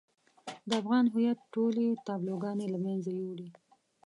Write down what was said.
د افغان هويت ټولې تابلوګانې له منځه يوړې.